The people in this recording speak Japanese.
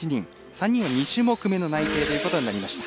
３人は２種目めの内定ということになりました。